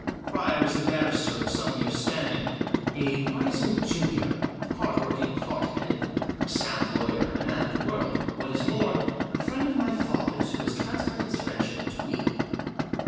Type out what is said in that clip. Pryor is a barrister of some years' standing ; a " rising junior "; hard working, hard headed, a sound lawyer, and a man of the world. What is more, a friend of my father's who has transferred his friend ship to me.